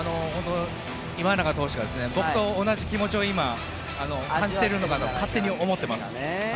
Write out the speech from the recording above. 今永投手が僕と同じ気持ちを今、感じているのかと勝手に思っています。